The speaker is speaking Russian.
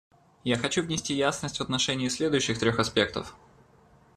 Я хочу внести ясность в отношении следующих трех аспектов.